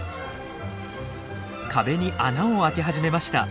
壁に穴を開け始めました。